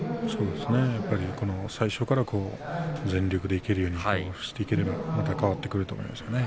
やっぱり最初から全力でいけるようにしていけるとまた変わってくると思います。